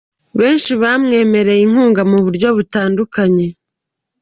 Benshi bamwereye inkunga mu buryo butandukanye.